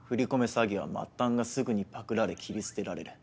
詐欺は末端がすぐにパクられ切り捨てられる。